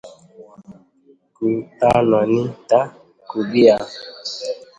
Gutanwa ni ta kubia